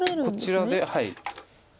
こちらではい。